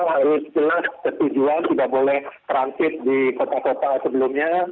harus jelas ketujuan tidak boleh transit di kota kota sebelumnya